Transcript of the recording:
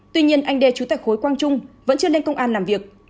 tuy nhiên anh đê trú tại khối quang trung vẫn chưa lên công an làm việc